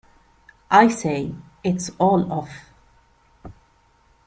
I say, it's all off.